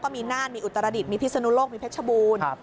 มีน่านมีอุตรดิษฐ์มีพิศนุโลกมีเพชรบูรณ์